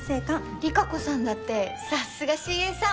理香子さんだってさすがＣＡさん！